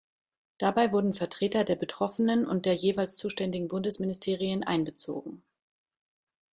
Dabei wurden Vertreter der Betroffenen und der jeweils zuständigen Bundesministerien einbezogen.